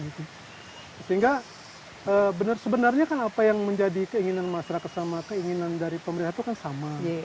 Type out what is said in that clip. sehingga sebenarnya kan apa yang menjadi keinginan masyarakat sama keinginan dari pemerintah itu kan sama